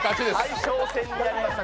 大将戦となりました。